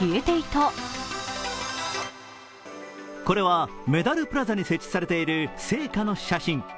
これはメダルプラザに設置されている聖火の写真。